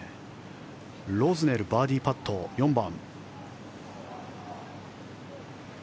ロズネルバーディーパット、４番。